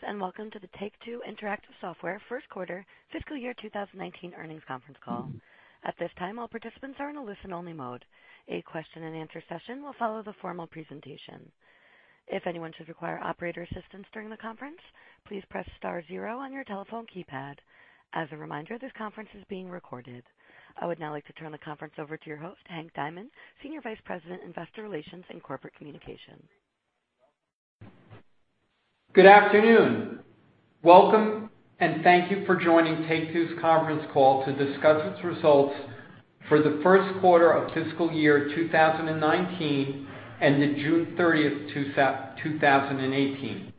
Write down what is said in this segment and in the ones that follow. Greetings, welcome to the Take-Two Interactive Software first quarter fiscal year 2019 earnings conference call. At this time, all participants are in a listen-only mode. A question and answer session will follow the formal presentation. If anyone should require operator assistance during the conference, please press star zero on your telephone keypad. As a reminder, this conference is being recorded. I would now like to turn the conference over to your host, Hank Diamond, Senior Vice President, Investor Relations and Corporate Communication. Good afternoon. Welcome, thank you for joining Take-Two's conference call to discuss its results for the first quarter of fiscal year 2019, and the June 30th, 2018.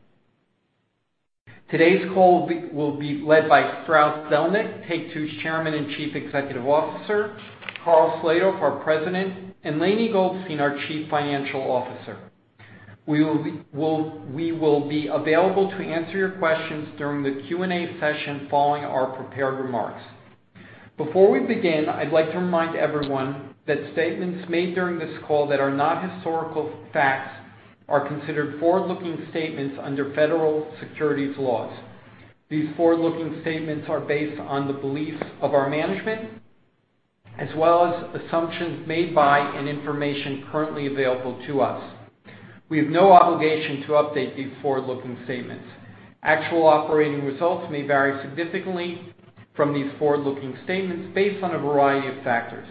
Today's call will be led by Strauss Zelnick, Take-Two's Chairman and Chief Executive Officer, Karl Slatoff, our President, and Lainie Goldstein, our Chief Financial Officer. We will be available to answer your questions during the Q&A session following our prepared remarks. Before we begin, I'd like to remind everyone that statements made during this call that are not historical facts are considered forward-looking statements under federal securities laws. These forward-looking statements are based on the beliefs of our management, as well as assumptions made by and information currently available to us. We have no obligation to update these forward-looking statements. Actual operating results may vary significantly from these forward-looking statements based on a variety of factors.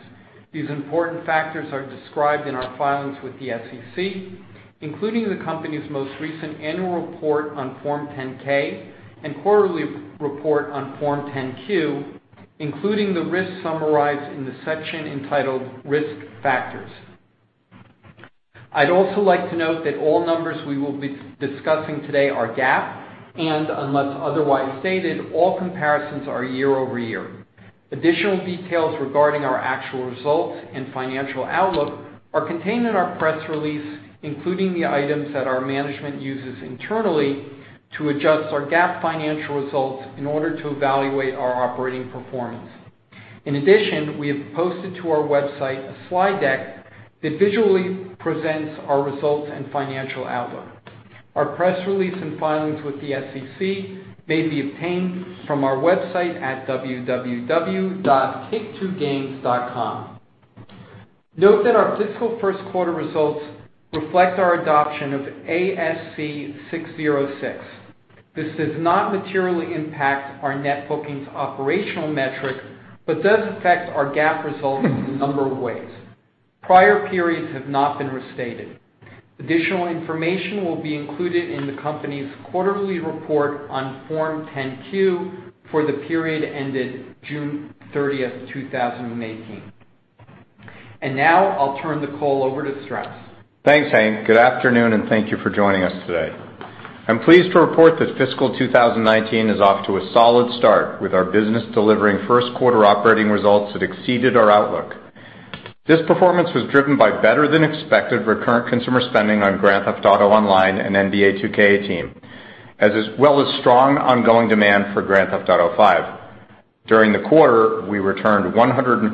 These important factors are described in our filings with the SEC, including the company's most recent annual report on Form 10-K and quarterly report on Form 10-Q, including the risks summarized in the section entitled Risk Factors. I'd also like to note that all numbers we will be discussing today are GAAP, and unless otherwise stated, all comparisons are year-over-year. Additional details regarding our actual results and financial outlook are contained in our press release, including the items that our management uses internally to adjust our GAAP financial results in order to evaluate our operating performance. In addition, we have posted to our website a slide deck that visually presents our results and financial outlook. Our press release and filings with the SEC may be obtained from our website at www.taketwogames.com. Note that our fiscal first quarter results reflect our adoption of ASC 606. This does not materially impact our net bookings operational metric but does affect our GAAP results in a number of ways. Prior periods have not been restated. Additional information will be included in the company's quarterly report on Form 10-Q for the period ended June 30th, 2018. Now I'll turn the call over to Strauss. Thanks, Hank. Good afternoon. Thank you for joining us today. I'm pleased to report that fiscal 2019 is off to a solid start with our business delivering first quarter operating results that exceeded our outlook. This performance was driven by better than expected recurrent consumer spending on Grand Theft Auto Online and NBA 2K18, as well as strong ongoing demand for Grand Theft Auto V. During the quarter, we returned $154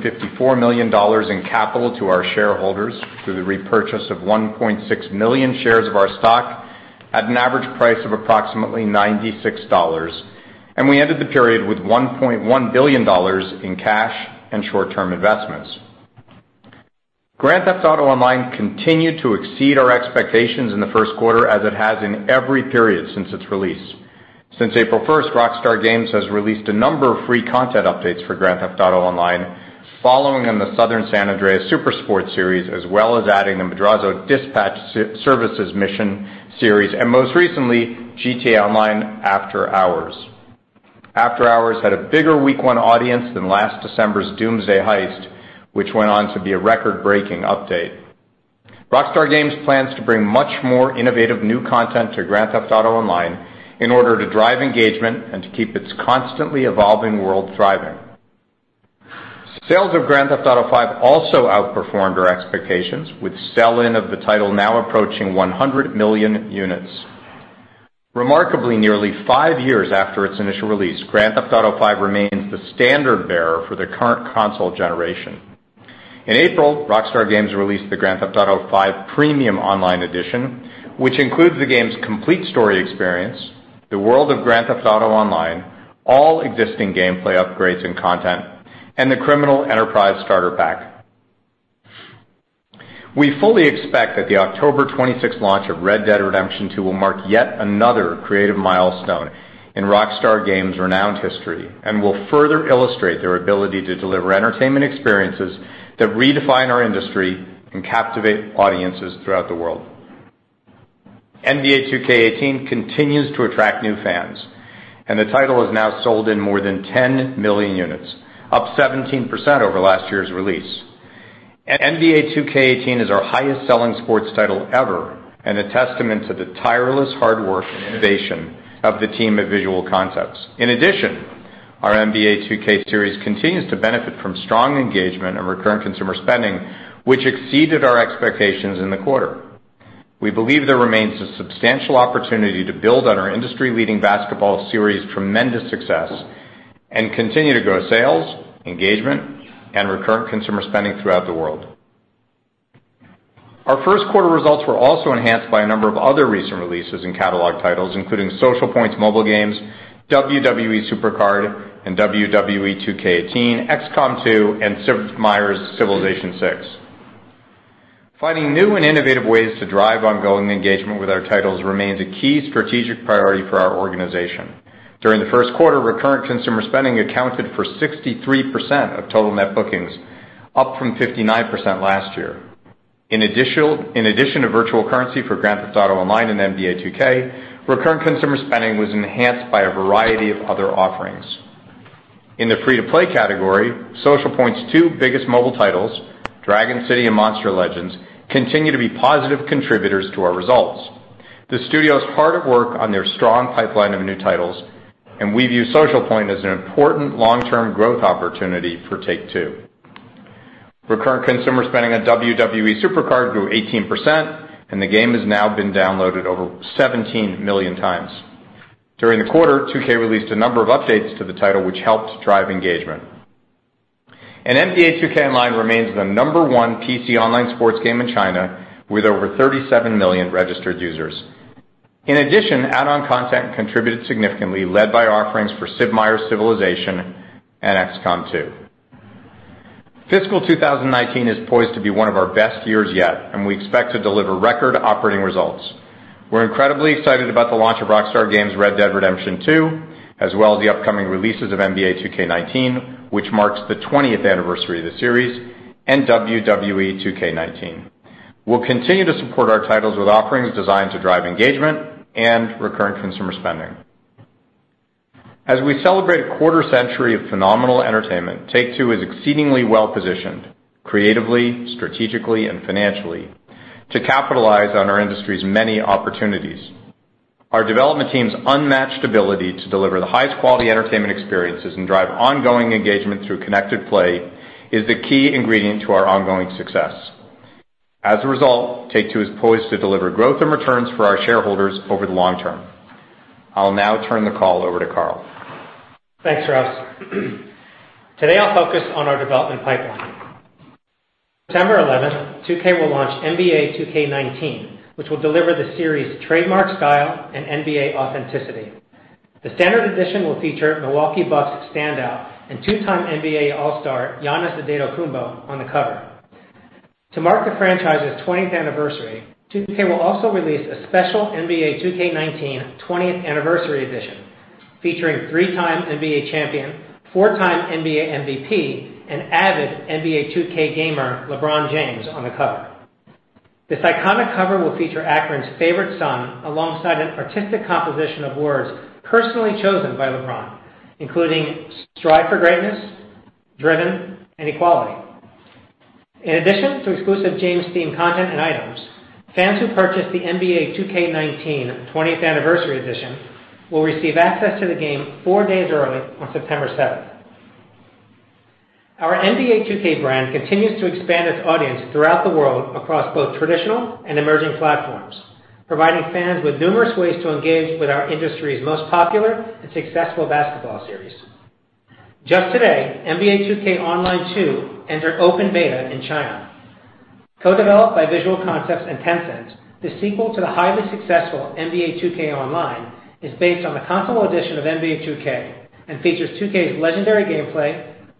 million in capital to our shareholders through the repurchase of 1.6 million shares of our stock at an average price of approximately $96. We ended the period with $1.1 billion in cash and short-term investments. Grand Theft Auto Online continued to exceed our expectations in the first quarter, as it has in every period since its release. Since April 1st, Rockstar Games has released a number of free content updates for Grand Theft Auto Online, following in the Southern San Andreas Super Sport Series, as well as adding the Madrazo Dispatch Services mission series. Most recently, GTA Online After Hours. After Hours had a bigger week 1 audience than last December's Doomsday Heist, which went on to be a record-breaking update. Rockstar Games plans to bring much more innovative new content to Grand Theft Auto Online in order to drive engagement and to keep its constantly evolving world thriving. Sales of Grand Theft Auto V also outperformed our expectations with sell-in of the title now approaching 100 million units. Remarkably, nearly five years after its initial release, Grand Theft Auto V remains the standard-bearer for the current console generation. In April, Rockstar Games released the Grand Theft Auto V Premium Online Edition, which includes the game's complete story experience, the world of Grand Theft Auto Online, all existing gameplay upgrades and content, and the Criminal Enterprise Starter Pack. We fully expect that the October 26th launch of Red Dead Redemption 2 will mark yet another creative milestone in Rockstar Games' renowned history and will further illustrate their ability to deliver entertainment experiences that redefine our industry and captivate audiences throughout the world. NBA 2K18 continues to attract new fans. The title is now sold in more than 10 million units, up 17% over last year's release. NBA 2K18 is our highest-selling sports title ever and a testament to the tireless hard work and innovation of the team at Visual Concepts. In addition, our NBA 2K series continues to benefit from strong engagement and recurrent consumer spending, which exceeded our expectations in the quarter. We believe there remains a substantial opportunity to build on our industry-leading basketball series' tremendous success and continue to grow sales, engagement, and recurrent consumer spending throughout the world. Our first quarter results were also enhanced by a number of other recent releases in catalog titles, including Socialpoint's mobile games, WWE SuperCard and WWE 2K18, XCOM 2, and Sid Meier's Civilization VI. Finding new and innovative ways to drive ongoing engagement with our titles remains a key strategic priority for our organization. During the first quarter, recurrent consumer spending accounted for 63% of total net bookings, up from 59% last year. In addition to virtual currency for Grand Theft Auto Online and NBA 2K, recurrent consumer spending was enhanced by a variety of other offerings. In the free-to-play category, Socialpoint's two biggest mobile titles, Dragon City and Monster Legends, continue to be positive contributors to our results. The studio's hard at work on their strong pipeline of new titles, and we view Socialpoint as an important long-term growth opportunity for Take-Two. Recurrent consumer spending on WWE SuperCard grew 18%, and the game has now been downloaded over 17 million times. During the quarter, 2K released a number of updates to the title, which helped drive engagement. NBA 2K Online remains the number 1 PC online sports game in China, with over 37 million registered users. In addition, add-on content contributed significantly, led by offerings for Sid Meier's Civilization and XCOM 2. Fiscal 2019 is poised to be one of our best years yet, and we expect to deliver record operating results. Thanks, Strauss. Today, I'll focus on our development pipeline. September 11, 2K will launch NBA 2K19, which will deliver the series' trademark style and NBA authenticity. The standard edition will feature Milwaukee Bucks standout and two-time NBA All-Star Giannis Antetokounmpo on the cover. To mark the franchise's 20th anniversary, 2K will also release a special NBA 2K19 20th Anniversary Edition, featuring three-time NBA champion, four-time NBA MVP, and avid NBA 2K gamer LeBron James on the cover. This iconic cover will feature Akron's favorite son alongside an artistic composition of words personally chosen by LeBron, including strive for greatness, driven, and equality. In addition to exclusive James-themed content and items, fans who purchase the NBA 2K19 20th Anniversary Edition will receive access to the game four days early on September 7th.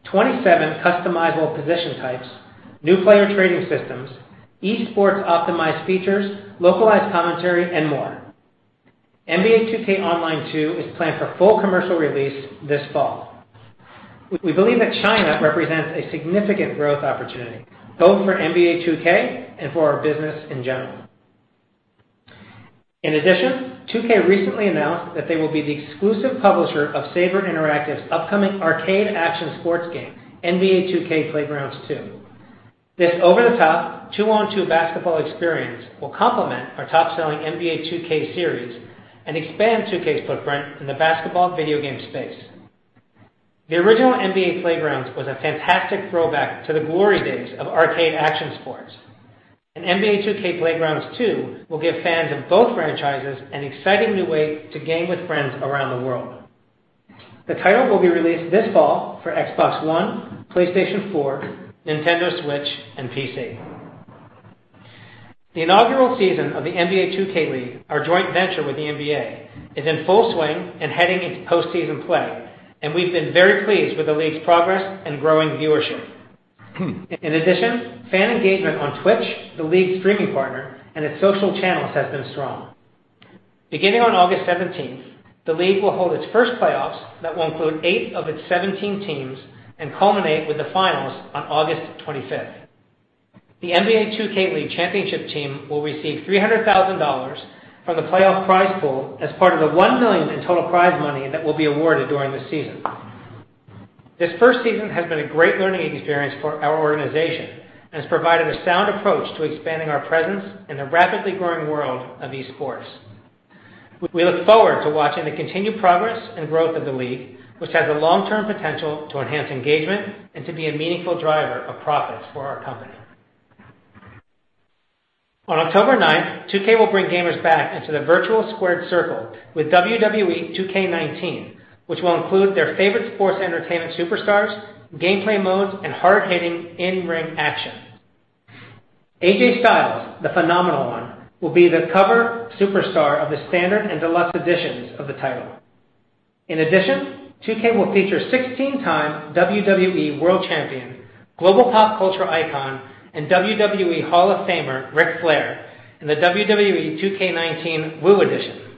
27 customizable position types, new player trading systems, e-sports optimized features, localized commentary, and more. NBA 2K Online 2 is planned for full commercial release this fall. We believe that China represents a significant growth opportunity, both for NBA 2K and for our business in general. In addition, 2K recently announced that they will be the exclusive publisher of Saber Interactive's upcoming arcade action sports game, NBA 2K Playgrounds 2. This over-the-top two-on-two basketball experience will complement our top-selling NBA 2K series and expand 2K's footprint in the basketball video game space. The original NBA Playgrounds was a fantastic throwback to the glory days of arcade action sports, and NBA 2K Playgrounds 2 will give fans of both franchises an exciting new way to game with friends around the world. The title will be released this fall for Xbox One, PlayStation 4, Nintendo Switch, and PC. We've been very pleased with the league's progress and growing viewership. In addition, fan engagement on Twitch, the league's streaming partner, and its social channels has been strong. Beginning on August 17th, the league will hold its first playoffs that will include eight of its 17 teams and culminate with the finals on August 25th. The NBA 2K League championship team will receive $300,000 from the playoff prize pool as part of the $1 million in total prize money that will be awarded during the season. This first season has been a great learning experience for our organization and has provided a sound approach to expanding our presence in the rapidly growing world of esports. We look forward to watching the continued progress and growth of the league, which has the long-term potential to enhance engagement and to be a meaningful driver of profits for our company. On October 9th, 2K will bring gamers back into the virtual squared circle with WWE 2K19 which will include their favorite sports entertainment superstars, gameplay modes, and hard-hitting in-ring action. AJ Styles, the Phenomenal One, will be the cover superstar of the standard and deluxe editions of the title. In addition, 2K will feature 16-time WWE World Champion, global pop culture icon, and WWE Hall of Famer Ric Flair in the WWE 2K19 Wooooo! Edition.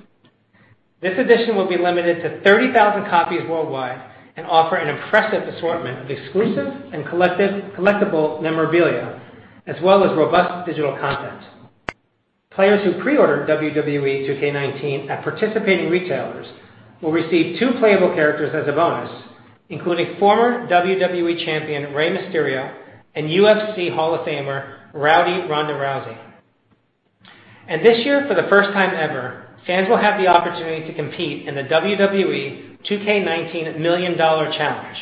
This edition will be limited to 30,000 copies worldwide and offer an impressive assortment of exclusive and collectible memorabilia, as well as robust digital content. Players who pre-order WWE 2K19 at participating retailers will receive two playable characters as a bonus, including former WWE Champion Rey Mysterio and UFC Hall of Famer Rowdy Ronda Rousey. This year, for the first time ever, fans will have the opportunity to compete in the WWE 2K19 Million Dollar Challenge,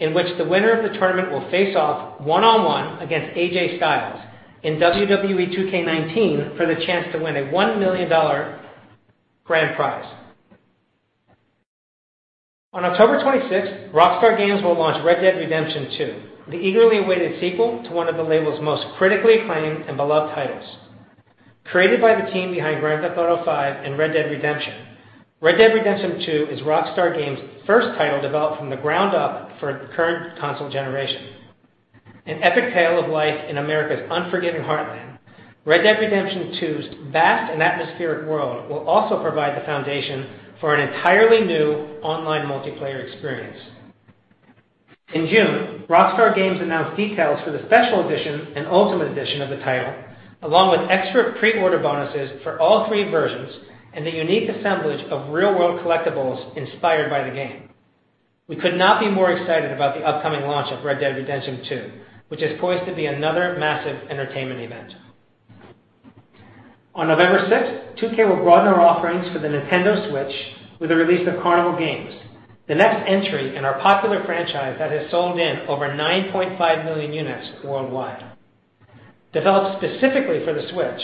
in which the winner of the tournament will face off one-on-one against AJ Styles in WWE 2K19 for the chance to win a $1 million grand prize. On October 26th, Rockstar Games will launch Red Dead Redemption 2, the eagerly awaited sequel to one of the label's most critically acclaimed and beloved titles. Created by the team behind Grand Theft Auto V and Red Dead Redemption, Red Dead Redemption 2 is Rockstar Games' first title developed from the ground up for the current console generation. An epic tale of life in America's unforgiving heartland, Red Dead Redemption 2's vast and atmospheric world will also provide the foundation for an entirely new online multiplayer experience. In June, Rockstar Games announced details for the special edition and ultimate edition of the title, along with extra pre-order bonuses for all three versions and a unique assemblage of real-world collectibles inspired by the game. We could not be more excited about the upcoming launch of Red Dead Redemption 2, which is poised to be another massive entertainment event. On November 6th, 2K will broaden our offerings for the Nintendo Switch with the release of Carnival Games, the next entry in our popular franchise that has sold in over 9.5 million units worldwide. Developed specifically for the Switch,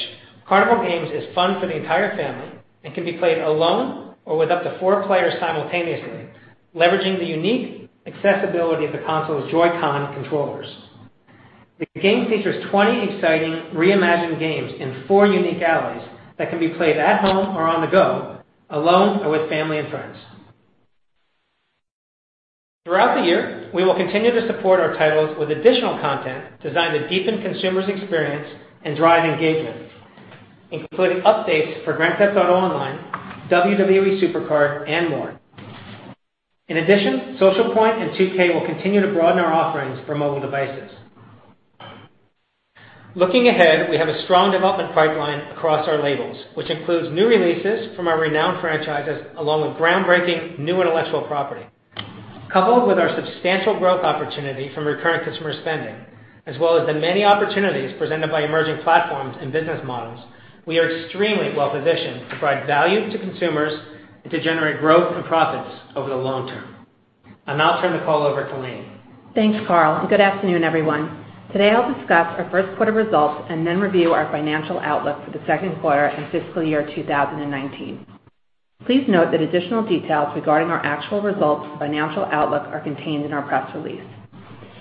Carnival Games is fun for the entire family and can be played alone or with up to four players simultaneously, leveraging the unique accessibility of the console's Joy-Con controllers. The game features 20 exciting reimagined games in four unique alleys that can be played at home or on the go, alone or with family and friends. Throughout the year, we will continue to support our titles with additional content designed to deepen consumers' experience and drive engagement, including updates for Grand Theft Auto Online, WWE SuperCard, and more. In addition, Socialpoint and 2K will continue to broaden our offerings for mobile devices. Looking ahead, we have a strong development pipeline across our labels, which includes new releases from our renowned franchises, along with groundbreaking new intellectual property. Coupled with our substantial growth opportunity from recurring customer spending, as well as the many opportunities presented by emerging platforms and business models, we are extremely well-positioned to provide value to consumers and to generate growth and profits over the long term. I'll now turn the call over to Lainie. Thanks, Karl. Good afternoon, everyone. Today, I'll discuss our first quarter results and then review our financial outlook for the second quarter and fiscal year 2019. Please note that additional details regarding our actual results financial outlook are contained in our press release.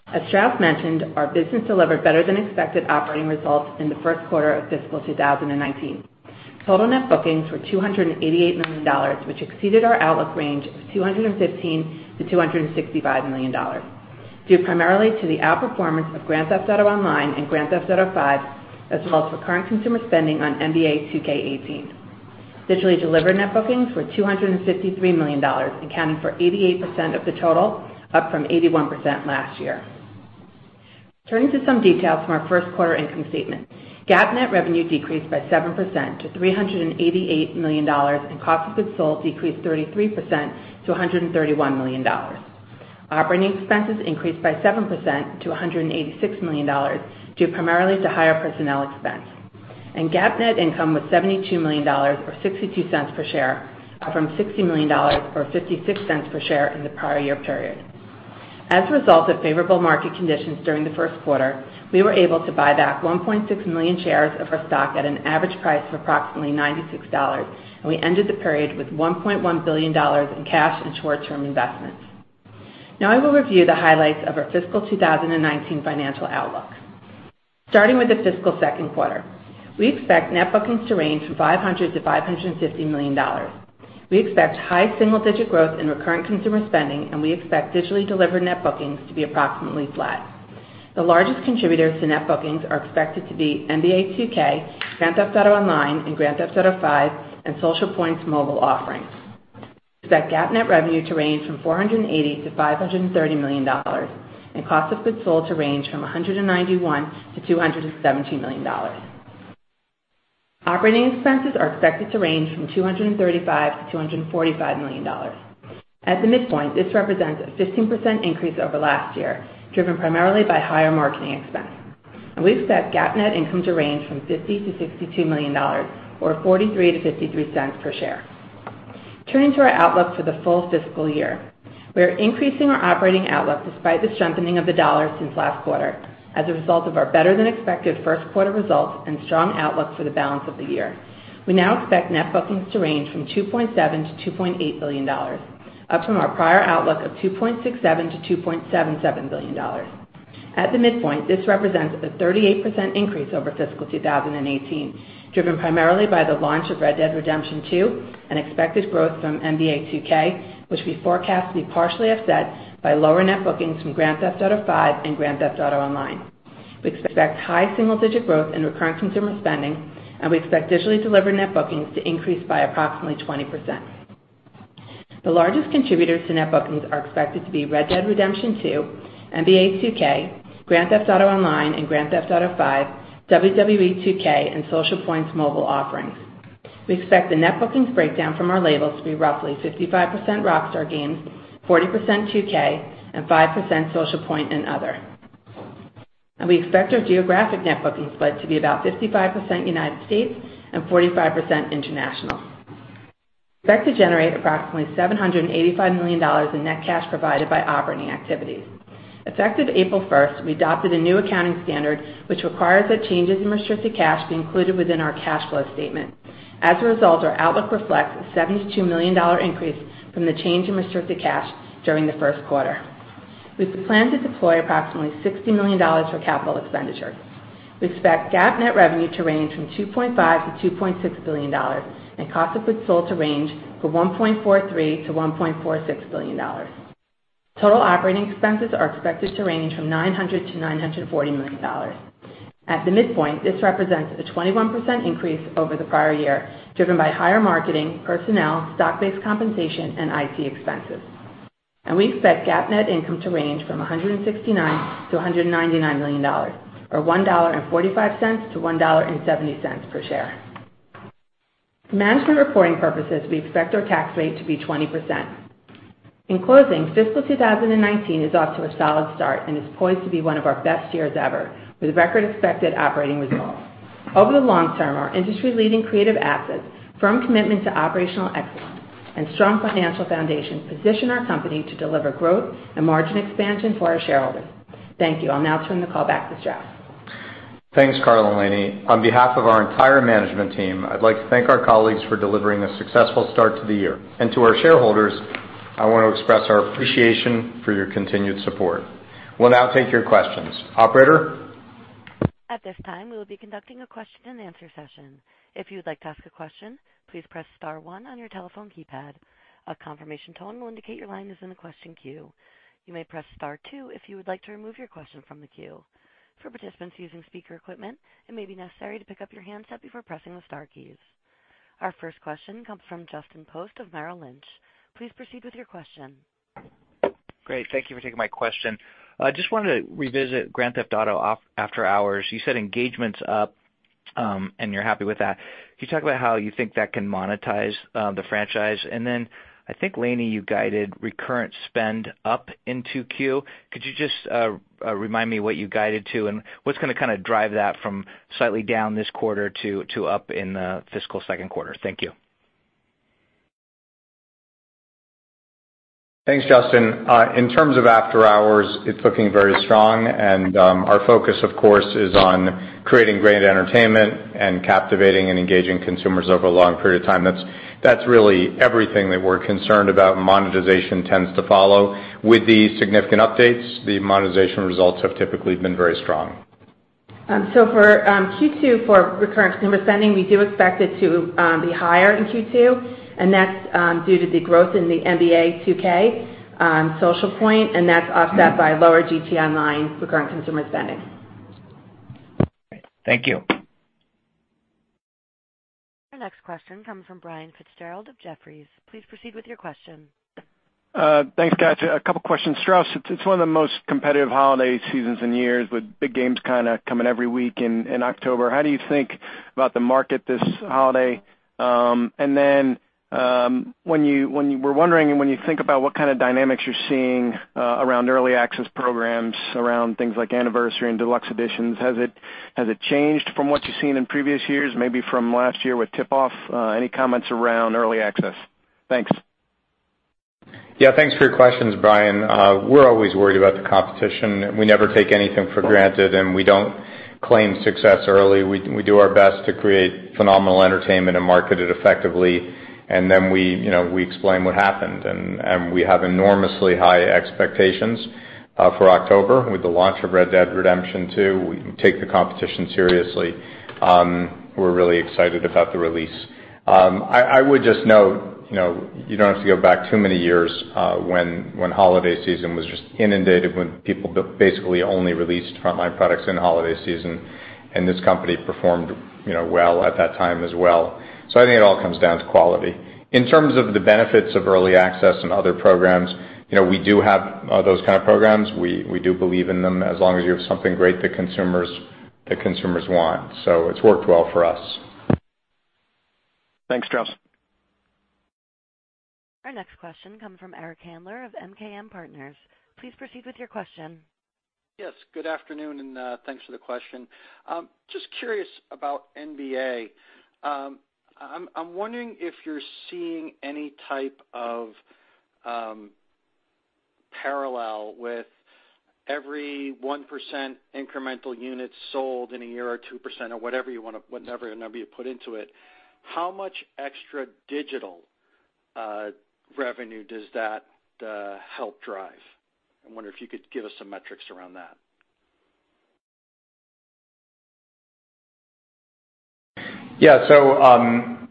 As Strauss mentioned, our business delivered better than expected operating results in the first quarter of fiscal 2019. Total net bookings were $288 million, which exceeded our outlook range of $215 million-$265 million, due primarily to the outperformance of Grand Theft Auto Online and Grand Theft Auto V, as well as recurring consumer spending on NBA 2K18. Digitally delivered net bookings were $253 million, accounting for 88% of the total, up from 81% last year. Turning to some details from our first quarter income statement. GAAP net revenue decreased by 7% to $388 million, and cost of goods sold decreased 33% to $131 million. Operating expenses increased by 7% to $186 million, due primarily to higher personnel expense. GAAP net income was $72 million, or $0.62 per share, up from $60 million, or $0.56 per share, in the prior year period. As a result of favorable market conditions during the first quarter, we were able to buy back 1.6 million shares of our stock at an average price of approximately $96, and we ended the period with $1.1 billion in cash and short-term investments. Now I will review the highlights of our fiscal 2019 financial outlook. Starting with the fiscal second quarter, we expect net bookings to range from $500 million-$550 million. We expect high single-digit growth in recurrent consumer spending, and we expect digitally delivered net bookings to be approximately flat. The largest contributors to net bookings are expected to be NBA 2K, Grand Theft Auto Online, Grand Theft Auto V, and Socialpoint's mobile offerings. We expect GAAP net revenue to range from $480 million-$530 million and cost of goods sold to range from $191 million-$217 million. Operating expenses are expected to range from $235 million-$245 million. At the midpoint, this represents a 15% increase over last year, driven primarily by higher marketing expense. We expect GAAP net income to range from $50 million-$62 million, or $0.43-$0.53 per share. Turning to our outlook for the full fiscal year. We are increasing our operating outlook despite the strengthening of the dollar since last quarter, as a result of our better-than-expected first quarter results and strong outlook for the balance of the year. We now expect net bookings to range from $2.7 billion-$2.8 billion, up from our prior outlook of $2.67 billion-$2.77 billion. At the midpoint, this represents a 38% increase over fiscal 2018, driven primarily by the launch of Red Dead Redemption 2 and expected growth from NBA 2K, which we forecast to be partially offset by lower net bookings from Grand Theft Auto V and Grand Theft Auto Online. We expect high single-digit growth in recurring consumer spending, and we expect digitally delivered net bookings to increase by approximately 20%. The largest contributors to net bookings are expected to be Red Dead Redemption 2, NBA 2K, Grand Theft Auto Online and Grand Theft Auto V, WWE 2K, and Socialpoint's mobile offerings. We expect the net bookings breakdown from our labels to be roughly 55% Rockstar Games, 40% 2K, and 5% Socialpoint and other. We expect our geographic net bookings split to be about 55% United States and 45% international. We expect to generate approximately $785 million in net cash provided by operating activities. Effective April 1st, we adopted a new accounting standard, which requires that changes in restricted cash be included within our cash flow statement. As a result, our outlook reflects a $72 million increase from the change in restricted cash during the first quarter. We plan to deploy approximately $60 million for capital expenditures. We expect GAAP net revenue to range from $2.5 billion-$2.6 billion and cost of goods sold to range from $1.43 billion-$1.46 billion. Total operating expenses are expected to range from $900 million-$940 million. At the midpoint, this represents a 21% increase over the prior year, driven by higher marketing, personnel, stock-based compensation, and IT expenses. We expect GAAP net income to range from $169 million-$199 million, or $1.45-$1.70 per share. For management reporting purposes, we expect our tax rate to be 20%. In closing, fiscal 2019 is off to a solid start and is poised to be one of our best years ever, with record expected operating results. Over the long term, our industry-leading creative assets, firm commitment to operational excellence, and strong financial foundation position our company to deliver growth and margin expansion for our shareholders. Thank you. I'll now turn the call back to Strauss. Thanks, Karl and Lainie. On behalf of our entire management team, I'd like to thank our colleagues for delivering a successful start to the year. To our shareholders, I want to express our appreciation for your continued support. We'll now take your questions. Operator? At this time, we will be conducting a question and answer session. If you would like to ask a question, please press star one on your telephone keypad. A confirmation tone will indicate your line is in the question queue. You may press star two if you would like to remove your question from the queue. For participants using speaker equipment, it may be necessary to pick up your handset before pressing the star keys. Our first question comes from Justin Post of Merrill Lynch. Please proceed with your question. Great. Thank you for taking my question. I just wanted to revisit Grand Theft Auto After Hours. You said engagement's up, and you're happy with that. Can you talk about how you think that can monetize the franchise? Then I think, Lainie, you guided recurrent spend up in 2Q. Could you just remind me what you guided to, and what's going to drive that from slightly down this quarter to up in the fiscal second quarter? Thank you. Thanks, Justin. In terms of After Hours, it's looking very strong, and our focus, of course, is on creating great entertainment and captivating and engaging consumers over a long period of time. That's really everything that we're concerned about, and monetization tends to follow. With the significant updates, the monetization results have typically been very strong. For Q2, for recurring consumer spending, we do expect it to be higher in Q2, and that's due to the growth in the NBA 2K, Socialpoint, and that's offset by lower GTA Online recurring consumer spending. Great. Thank you. Our next question comes from Brian Fitzgerald of Jefferies. Please proceed with your question. Thanks, guys. A couple of questions. Strauss, it's one of the most competitive holiday seasons in years, with big games coming every week in October. How do you think about the market this holiday? Then we're wondering, when you think about what kind of dynamics you're seeing around early access programs, around things like anniversary and deluxe editions, has it changed from what you've seen in previous years? Maybe from last year with The Tipoff. Any comments around early access? Thanks. Yeah. Thanks for your questions, Brian. We're always worried about the competition. We never take anything for granted, and we don't claim success early. We do our best to create phenomenal entertainment and market it effectively, and then we explain what happened, and we have enormously high expectations for October with the launch of Red Dead Redemption 2. We take the competition seriously. We're really excited about the release. I would just note, you don't have to go back too many years when holiday season was just inundated when people basically only released frontline products in holiday season, and this company performed well at that time as well. I think it all comes down to quality. In terms of the benefits of early access and other programs, we do have those kind of programs. We do believe in them as long as you have something great that consumers want. It's worked well for us. Thanks, Strauss. Our next question comes from Eric Handler of MKM Partners. Please proceed with your question Yes. Good afternoon. Thanks for the question. Just curious about NBA. I'm wondering if you're seeing any type of parallel with every 1% incremental unit sold in a year, or 2%, or whatever number you put into it, how much extra digital revenue does that help drive? I wonder if you could give us some metrics around that. Yeah.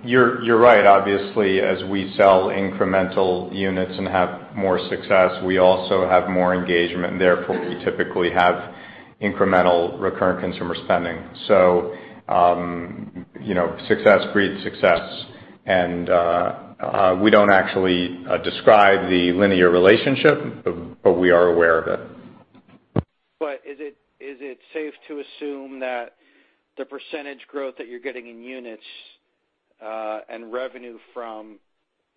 You're right. Obviously, as we sell incremental units and have more success, we also have more engagement and therefore we typically have incremental recurrent consumer spending. Success breeds success. We don't actually describe the linear relationship, but we are aware of it. Is it safe to assume that the percentage growth that you're getting in units and revenue from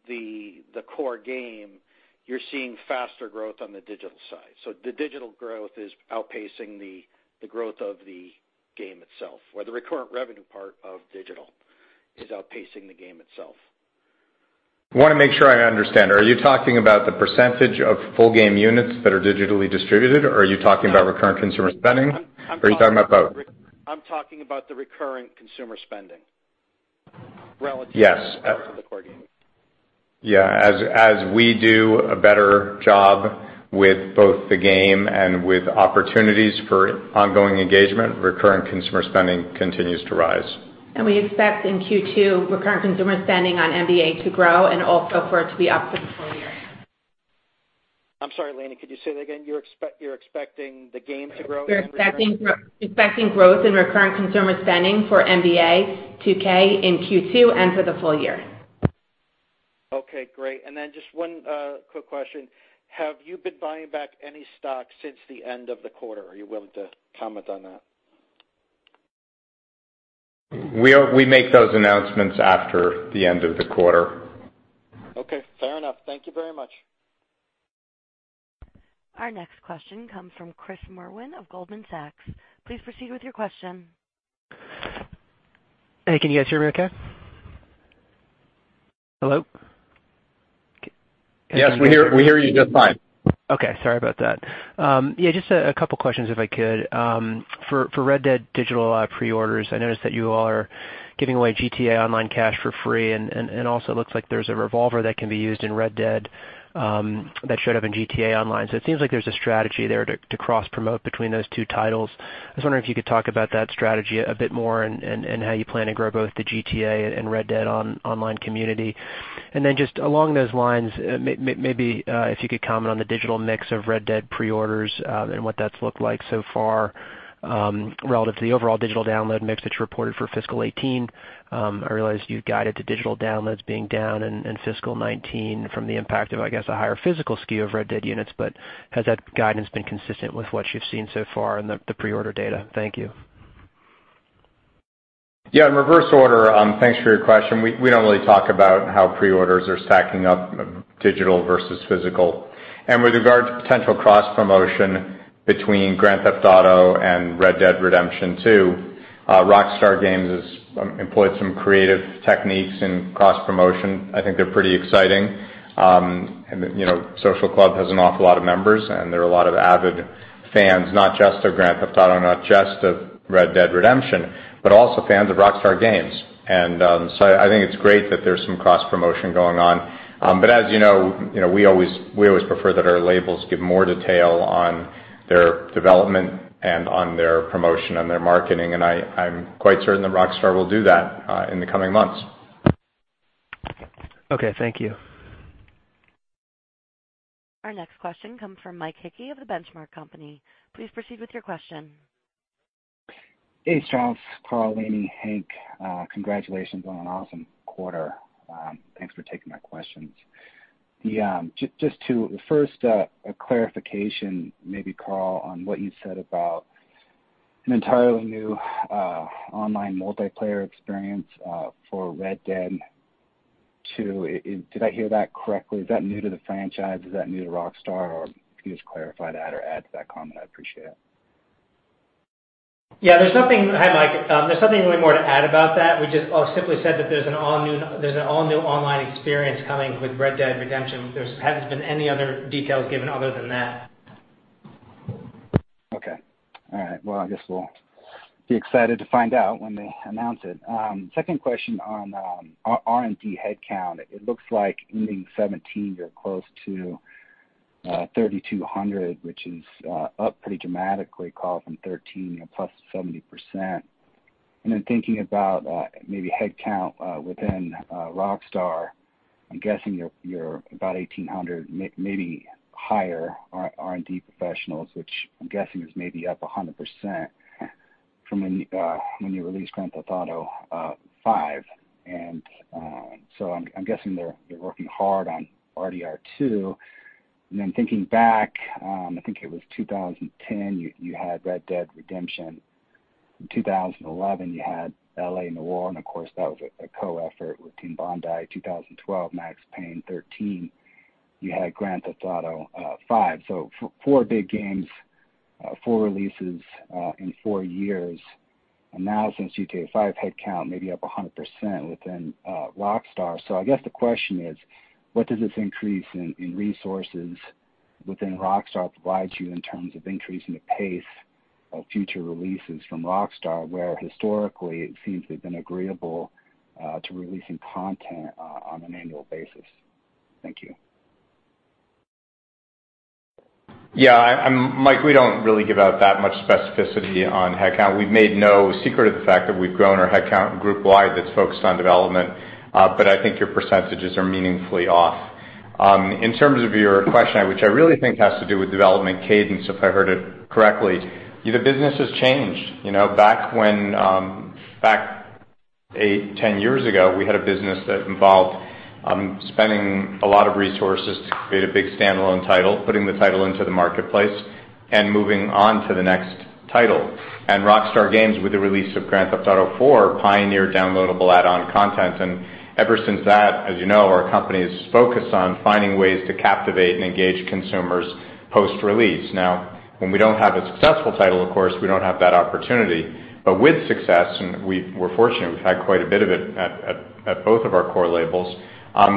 the core game, you're seeing faster growth on the digital side? The digital growth is outpacing the growth of the game itself, or the recurrent revenue part of digital is outpacing the game itself. I want to make sure I understand. Are you talking about the percentage of full game units that are digitally distributed, or are you talking about recurrent consumer spending, or are you talking about both? I'm talking about the recurring consumer spending relative- Yes to the core game. Yeah. As we do a better job with both the game and with opportunities for ongoing engagement, recurrent consumer spending continues to rise. We expect in Q2, recurrent consumer spending on NBA to grow and also for it to be up for the full year. I'm sorry, Lainie, could you say that again? You're expecting the game to grow? We're expecting growth in recurrent consumer spending for NBA 2K in Q2 and for the full year. Okay, great. Just one quick question. Have you been buying back any stock since the end of the quarter? Are you willing to comment on that? We make those announcements after the end of the quarter. Okay, fair enough. Thank you very much. Our next question comes from Chris Merwin of Goldman Sachs. Please proceed with your question. Hey, can you guys hear me okay? Hello? Yes. We hear you just fine. Okay. Sorry about that. Just a couple of questions if I could. For Red Dead digital pre-orders, I noticed that you all are giving away GTA Online cash for free, and also looks like there's a revolver that can be used in Red Dead that showed up in GTA Online. It seems like there's a strategy there to cross-promote between those two titles. I was wondering if you could talk about that strategy a bit more and how you plan to grow both the GTA and Red Dead online community. Just along those lines, maybe if you could comment on the digital mix of Red Dead pre-orders and what that's looked like so far relative to the overall digital download mix that you reported for fiscal 2018. I realize you've guided to digital downloads being down in fiscal 2019 from the impact of, I guess, a higher physical SKU of Red Dead units. Has that guidance been consistent with what you've seen so far in the pre-order data? Thank you. In reverse order, thanks for your question. We don't really talk about how pre-orders are stacking up digital versus physical. With regard to potential cross-promotion between Grand Theft Auto and Red Dead Redemption 2, Rockstar Games has employed some creative techniques in cross-promotion. I think they're pretty exciting. Social Club has an awful lot of members, and there are a lot of avid fans, not just of Grand Theft Auto, not just of Red Dead Redemption, but also fans of Rockstar Games. I think it's great that there's some cross-promotion going on. As you know, we always prefer that our labels give more detail on their development and on their promotion and their marketing, and I'm quite certain that Rockstar will do that in the coming months. Okay, thank you. Our next question comes from Mike Hickey of The Benchmark Company. Please proceed with your question. Hey, Strauss, Karl, Lainie, Hank. Congratulations on an awesome quarter. Thanks for taking my questions. First, a clarification, maybe Karl, on what you said about an entirely new online multiplayer experience for Red Dead 2. Did I hear that correctly? Is that new to the franchise? Is that new to Rockstar? Can you just clarify that or add to that comment? I'd appreciate it. Yeah. Hi, Mike. There's nothing really more to add about that. We just simply said that there's an all-new online experience coming with Red Dead Redemption. There hasn't been any other details given other than that. Okay. All right. Well, I guess we'll be excited to find out when they announce it. Second question on R&D headcount. It looks like ending 2017, you're close to 3,200, which is up pretty dramatically, Karl, from 2013, plus 70%. Thinking about maybe headcount within Rockstar, I'm guessing you're about 1,800, maybe higher R&D professionals, which I'm guessing is maybe up 100% from when you released Grand Theft Auto V. I'm guessing they're working hard on RDR 2. Thinking back, I think it was 2010, you had Red Dead Redemption. In 2011, you had L.A. Noire, and of course, that was a co-effort with Team Bondi. 2012, Max Payne 3. You had Grand Theft Auto V. Four big games, four releases in four years. Now since GTA V, headcount may be up 100% within Rockstar. I guess the question is, what does this increase in resources within Rockstar provide you in terms of increasing the pace of future releases from Rockstar, where historically it seems they've been agreeable to releasing content on an annual basis? Thank you. Yeah, Mike, we don't really give out that much specificity on headcount. We've made no secret of the fact that we've grown our headcount group wide that's focused on development. I think your percentages are meaningfully off. In terms of your question, which I really think has to do with development cadence, if I heard it correctly, the business has changed. Back eight, 10 years ago, we had a business that involved spending a lot of resources to create a big standalone title, putting the title into the marketplace, and moving on to the next title. Rockstar Games, with the release of Grand Theft Auto IV, pioneered downloadable add-on content. Ever since that, as you know, our company has focused on finding ways to captivate and engage consumers post-release. When we don't have a successful title, of course, we don't have that opportunity. With success, and we're fortunate, we've had quite a bit of it at both of our core labels,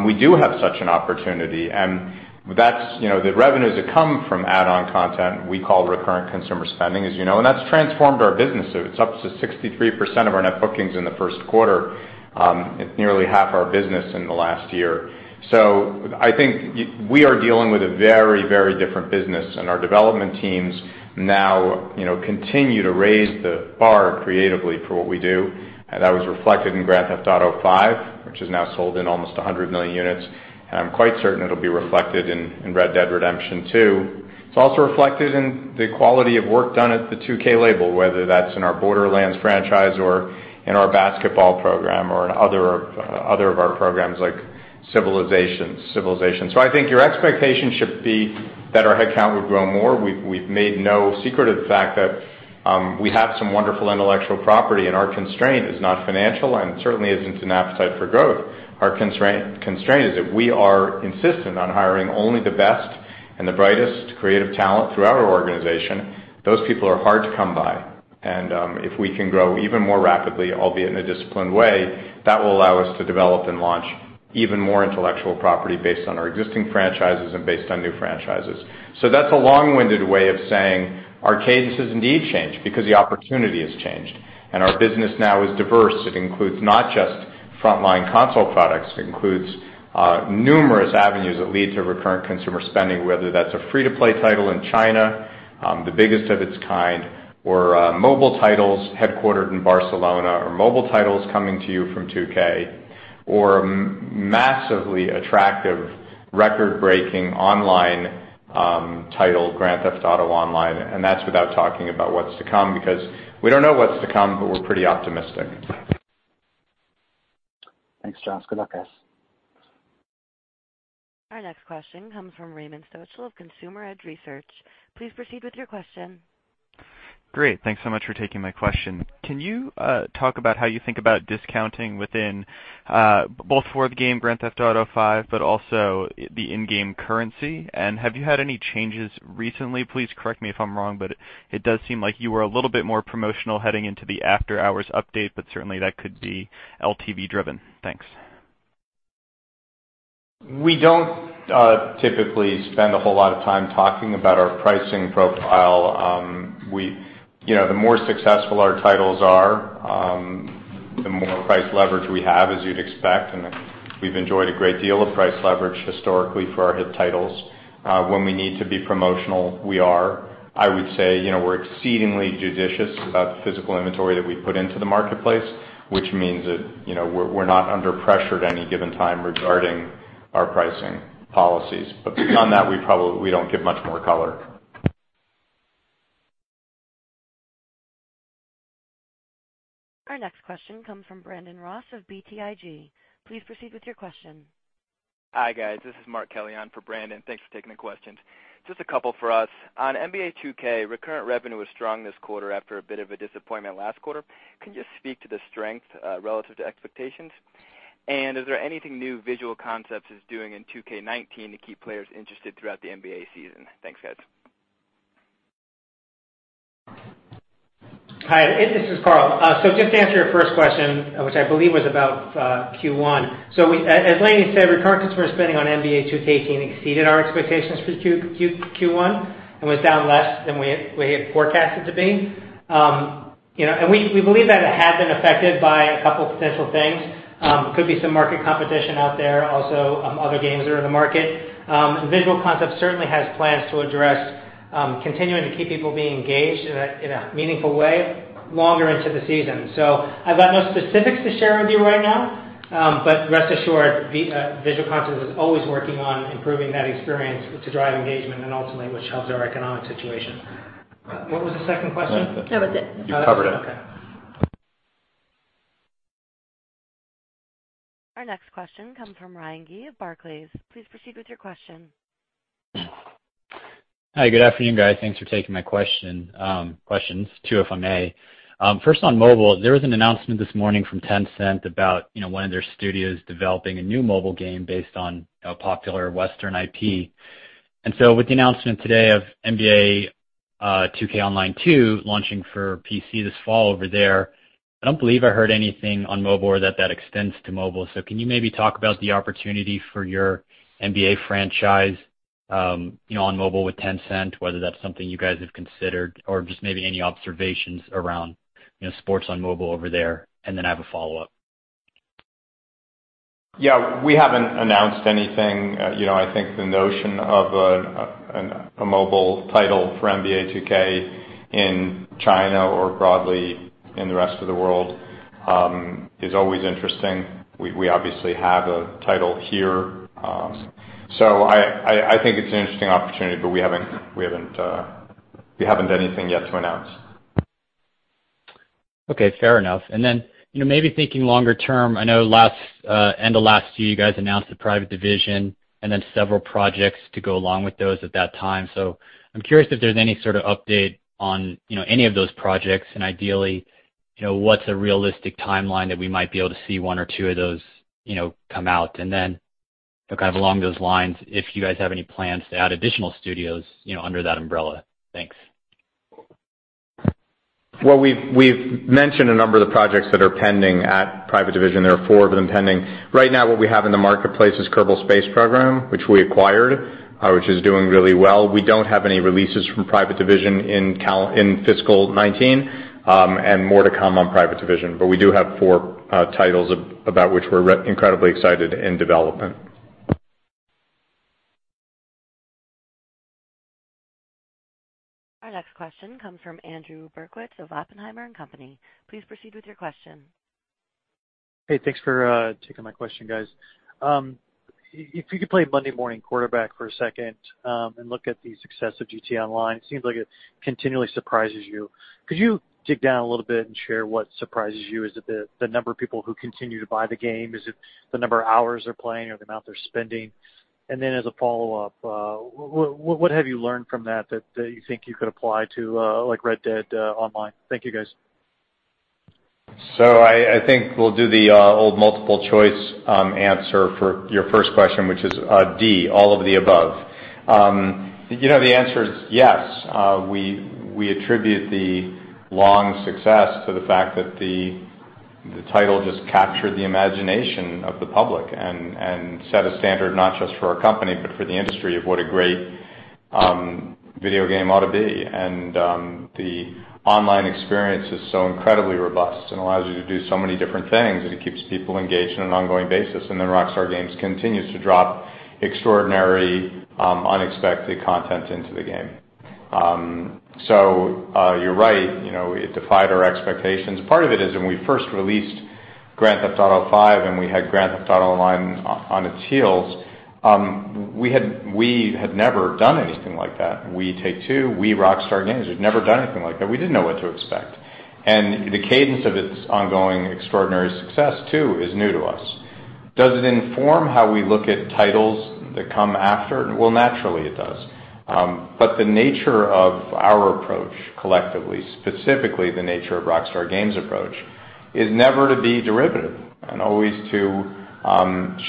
we do have such an opportunity, and the revenues that come from add-on content, we call recurrent consumer spending, as you know, and that's transformed our business. It's up to 63% of our net bookings in the first quarter. It's nearly half our business in the last year. I think we are dealing with a very, very different business, and our development teams now continue to raise the bar creatively for what we do. That was reflected in Grand Theft Auto V, which has now sold in almost 100 million units. I'm quite certain it'll be reflected in Red Dead Redemption 2. It's also reflected in the quality of work done at the 2K label, whether that's in our Borderlands franchise or in our basketball program or in other of our programs like Civilization. I think your expectation should be that our headcount would grow more. We've made no secret of the fact that we have some wonderful intellectual property, and our constraint is not financial and certainly isn't an appetite for growth. Our constraint is that we are insistent on hiring only the best and the brightest creative talent throughout our organization. Those people are hard to come by, and if we can grow even more rapidly, albeit in a disciplined way, that will allow us to develop and launch even more intellectual property based on our existing franchises and based on new franchises. That's a long-winded way of saying our cadence has indeed changed because the opportunity has changed, and our business now is diverse. It includes not just frontline console products. It includes numerous avenues that lead to recurrent consumer spending, whether that's a free-to-play title in China, the biggest of its kind, or mobile titles headquartered in Barcelona, or mobile titles coming to you from 2K, or a massively attractive record-breaking online title, Grand Theft Auto Online, and that's without talking about what's to come, because we don't know what's to come, but we're pretty optimistic. Thanks, John. Good luck, guys. Our next question comes from Raymond Stancil of Consumer Edge Research. Please proceed with your question. Great. Thanks so much for taking my question. Can you talk about how you think about discounting within both for the game Grand Theft Auto V, but also the in-game currency? Have you had any changes recently? Please correct me if I'm wrong, but it does seem like you were a little bit more promotional heading into the After Hours update, but certainly that could be LTV driven. Thanks. We don't typically spend a whole lot of time talking about our pricing profile. The more successful our titles are, the more price leverage we have, as you'd expect, and we've enjoyed a great deal of price leverage historically for our hit titles. When we need to be promotional, we are. I would say, we're exceedingly judicious about the physical inventory that we put into the marketplace, which means that we're not under pressure at any given time regarding our pricing policies. Beyond that, we don't give much more color. Our next question comes from Brandon Ross of BTIG. Please proceed with your question. Hi, guys. This is Mark Kelley on for Brandon. Thanks for taking the questions. Just a couple for us. On NBA 2K, recurrent revenue was strong this quarter after a bit of a disappointment last quarter. Is there anything new Visual Concepts is doing in 2K19 to keep players interested throughout the NBA season? Thanks, guys. Hi, this is Karl. Just to answer your first question, which I believe was about Q1. As Lainie said, recurrent consumer spending on NBA 2K18 exceeded our expectations for Q1 and was down less than we had forecasted to be. We believe that it had been affected by a couple potential things. Could be some market competition out there, also other games that are in the market. Visual Concepts certainly has plans to address continuing to keep people being engaged in a meaningful way longer into the season. I've got no specifics to share with you right now, but rest assured, Visual Concepts is always working on improving that experience to drive engagement and ultimately which helps our economic situation. What was the second question? That was it. You covered it. Okay. Our next question comes from Ryan Gee of Barclays. Please proceed with your question. Hi, good afternoon, guys. Thanks for taking my question. Questions, two if I may. First, on mobile, there was an announcement this morning from Tencent about one of their studios developing a new mobile game based on a popular Western IP. With the announcement today of NBA 2K Online 2 launching for PC this fall over there, I don't believe I heard anything on mobile or that that extends to mobile. Can you maybe talk about the opportunity for your NBA franchise on mobile with Tencent, whether that's something you guys have considered or just maybe any observations around sports on mobile over there, and then I have a follow-up. Yeah. We haven't announced anything. I think the notion of a mobile title for NBA 2K in China or broadly in the rest of the world, is always interesting. We obviously have a title here. I think it's an interesting opportunity, but we haven't anything yet to announce. Okay. Fair enough. Maybe thinking longer term, I know end of last year, you guys announced the Private Division and then several projects to go along with those at that time. I'm curious if there's any sort of update on any of those projects and ideally, what's a realistic timeline that we might be able to see one or two of those come out. Kind of along those lines, if you guys have any plans to add additional studios under that umbrella. Thanks. Well, we've mentioned a number of the projects that are pending at Private Division. There are four of them pending. Right now what we have in the marketplace is Kerbal Space Program, which we acquired, which is doing really well. We don't have any releases from Private Division in fiscal 2019, more to come on Private Division. We do have four titles about which we're incredibly excited in development. Our next question comes from Andrew Uerkwitz of Oppenheimer & Co. Inc. Please proceed with your question. Hey, thanks for taking my question, guys. If you could play Monday morning quarterback for a second, and look at the success of GTA Online, it seems like it continually surprises you. Could you dig down a little bit and share what surprises you? Is it the number of people who continue to buy the game? Is it the number of hours they're playing or the amount they're spending? As a follow-up, what have you learned from that that you think you could apply to Red Dead Online? Thank you, guys. I think we'll do the old multiple choice answer for your first question, which is D, all of the above. The answer is yes. We attribute the long success to the fact that the title just captured the imagination of the public and set a standard not just for our company, but for the industry of what a great video game ought to be. The online experience is so incredibly robust and allows you to do so many different things, and it keeps people engaged on an ongoing basis. Rockstar Games continues to drop extraordinary, unexpected content into the game. You're right, it defied our expectations. Part of it is when we first released Grand Theft Auto V and we had Grand Theft Auto Online on its heels, we had never done anything like that. We, Take-Two, we, Rockstar Games, had never done anything like that. We didn't know what to expect. The cadence of its ongoing extraordinary success, too, is new to us. Does it inform how we look at titles that come after? Well, naturally it does. The nature of our approach collectively, specifically the nature of Rockstar Games' approach, is never to be derivative and always to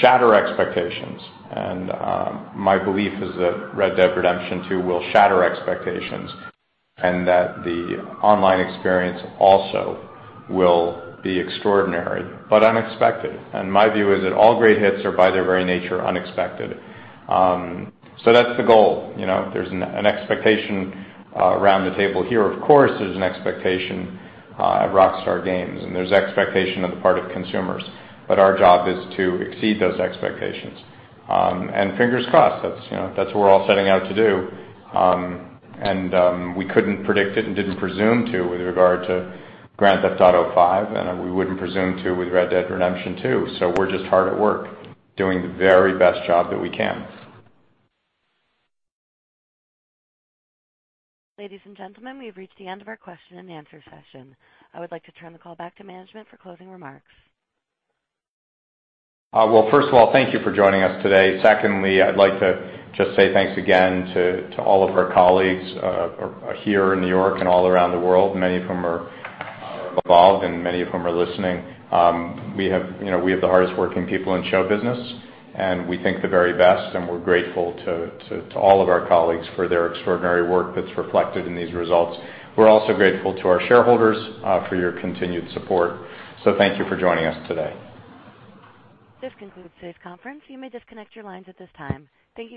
shatter expectations. My belief is that Red Dead Redemption 2 will shatter expectations and that the online experience also will be extraordinary but unexpected. My view is that all great hits are, by their very nature, unexpected. That's the goal. There's an expectation around the table here. Of course, there's an expectation at Rockstar Games, and there's expectation on the part of consumers. Our job is to exceed those expectations. Fingers crossed, that's what we're all setting out to do. We couldn't predict it and didn't presume to with regard to Grand Theft Auto V, and we wouldn't presume to with Red Dead Redemption 2. We're just hard at work doing the very best job that we can. Ladies and gentlemen, we've reached the end of our question and answer session. I would like to turn the call back to management for closing remarks. Well, first of all, thank you for joining us today. Secondly, I'd like to just say thanks again to all of our colleagues here in New York and all around the world, many of whom are involved and many of whom are listening. We have the hardest working people in show business, and we think the very best, and we're grateful to all of our colleagues for their extraordinary work that's reflected in these results. We're also grateful to our shareholders for your continued support. Thank you for joining us today. This concludes today's conference. You may disconnect your lines at this time. Thank you for your participation.